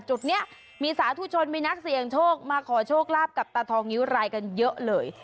จุดนี้มีสาธุชนมีนักเสี่ยงโชคมาขอโชคลาภกับตาทองนิ้วรายกันเยอะเลย